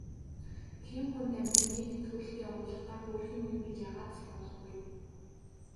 Тийм хүн Дамираныг төлд явуулахдаа хөөрхий минь гэж яагаад ч бодохгүй.